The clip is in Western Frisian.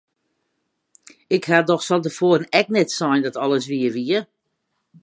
Ik ha dochs fan te foaren ek net sein dat alles wier wie!